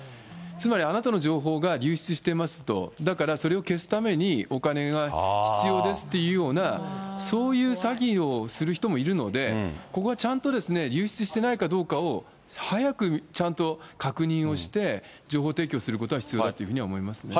つまりあなたの情報が流出してますと、だからそれを消すためにお金が必要ですっていうような、そういう詐欺をする人もいるので、ここはちゃんと流出してないかどうかを、早くちゃんと確認をして、情報提供することが必要だっていうふうには思いますね。